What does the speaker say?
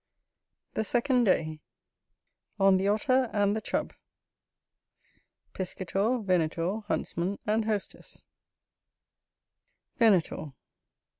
The second day On the Otter and the Chub Chapter II Piscator, Venator, Huntsman, and Hostess Venator.